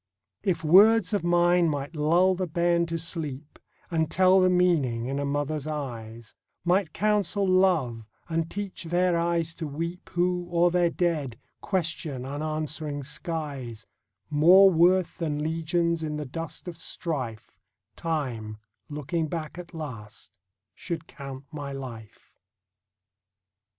If words of mine might lull the bairn to sleep, And tell the meaning in a mother's eyes; Might counsel love, and teach their eyes to weep Who, o'er their dead, question unanswering skies, More worth than legions in the dust of strife, Time, looking back at last, should count my life.